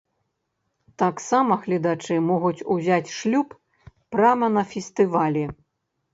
Таксама гледачы могуць узяць шлюб прама на фестывалі.